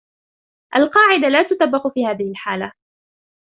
القاعدة لا تطبق في هذه الحالة.